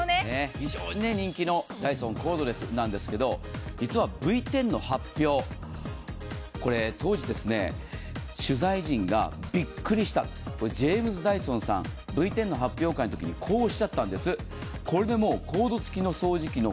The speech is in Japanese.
非常に人気のダイソンコードレスなんですけど実はＶ１０の発表、当時取材陣がびっくりしたジェームズ・ダイソンさん、Ｖ１０のときにこうおっしゃったんです。